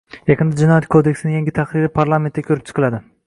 Yaqinda Jinoyat kodeksining yangi tahriri parlamentda ko‘rib chiqildi.